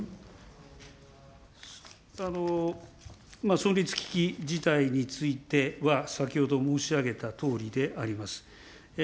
存立危機事態については、先ほど申し上げたとおりであります。